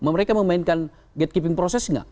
mereka memainkan gate keeping proses nggak